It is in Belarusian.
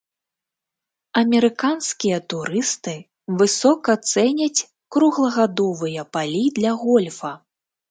Амерыканскія турысты высока цэняць круглагадовыя палі для гольфа.